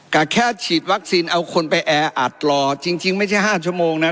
ก็แค่ฉีดวัคซีนเอาคนไปแออัดรอจริงไม่ใช่๕ชั่วโมงนะ